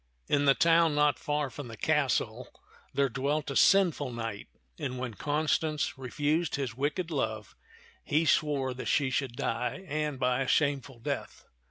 In the town not far from the castle there dwelt a sinful knight, and when Constance refused his wicked love, he swore that she should die, and by a shameful death.